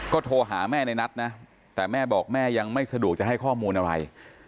ก็โทรหาแม่ในนัทนะแต่แม่บอกแม่ยังไม่สะดวกจะให้ข้อมูลอะไร